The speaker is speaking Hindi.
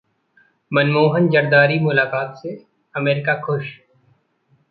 मनमोहन-जरदारी मुलाकात से अमेरिका खुश